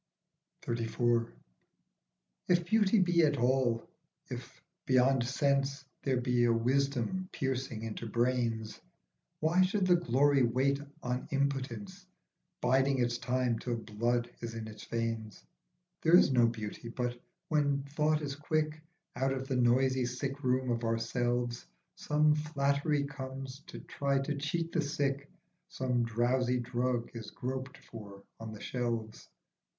37 XXXIV. IF Beauty be at all, if, beyond sense, There be a wisdom piercing into brains, Why should the glory wait on impotence, Biding its time till blood is in the veins ? There is no beauty, but, when thought is quick, Out of the noisy sickroom of ourselves Some flattery comes to try to cheat the sick, Some drowsy drug is groped for on the shelves.